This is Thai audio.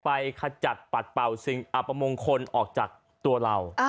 ขจัดปัดเป่าสิ่งอัปมงคลออกจากตัวเรา